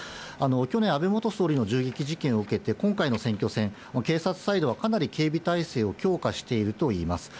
去年、安倍元総理の銃撃事件を受けて今回の選挙戦、警察サイドはかなり警備態勢を強化しているといいます。